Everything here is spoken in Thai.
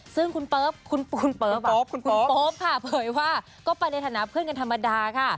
ซึ่งคุณโป๊ปค่ะเผยว่าก็ไปในฐานะเพื่อนกันธรรมดาค่ะ